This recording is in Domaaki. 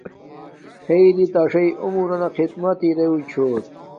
ہݵئ رݵ تݳ ݳݽݵئ عمرَنݳ خدمت ارݵگُچھݸت.